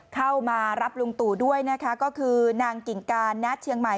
เข้ามารับลุงตู่ด้วยนะคะก็คือนางกิ่งการณเชียงใหม่